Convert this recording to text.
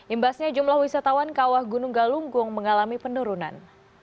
imbasnya jumlah wisatawan kawah gunung galunggung mengalami penurunan